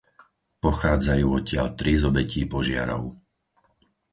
Pochádzajú odtiaľ tri z obetí požiarov.